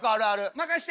任せて。